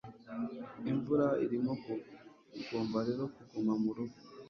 imvura irimo kugwa, ugomba rero kuguma murugo